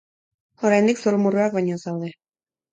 Oraindik zurrumurruak baino ez daude.